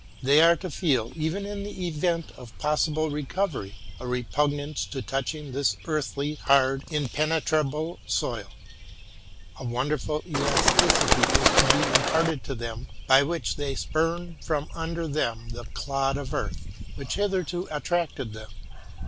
They are to feel, even ia the event of possible recovery, a repugnance to touching this earthly, hard, impenetrable soil. A wonderful elasticity is to be imparted to them, by which they spurn from under 942 TRUTH AND FICTION them the clod of earth which hitherto attracted them.